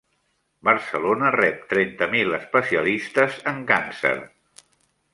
Barcelona rep trenta mil especialistes en càncer